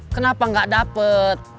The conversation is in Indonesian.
kenapa gak dapet